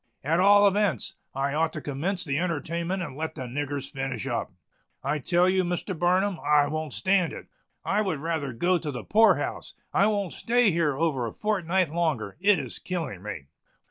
At all events, I ought to commence the entertainment and let the niggers finish up. I tell you, Mr. Barnum, I won't stand it! I would rather go to the poor house. I won't stay here over a fortnight longer! It is killing me!"